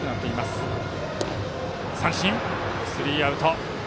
ここは三振、スリーアウト。